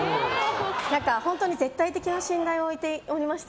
本当に絶対的な信頼を置いていまして。